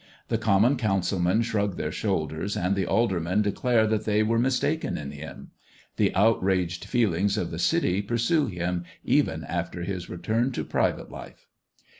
The Common Councilmen shrug their shoulders, and the Aldermen declare that they were mistaken in him. The outraged feelings of the City pursue him even after his return to private life.